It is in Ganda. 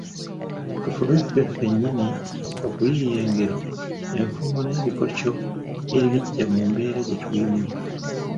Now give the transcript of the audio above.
Tufube ffe ffennyini okuyiiya engero, enfumo n'ebikokyo ebigya mu mbeera gye tulimu.